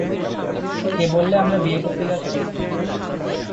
কে বললে আমরা বিয়ে করতে যাচ্ছি?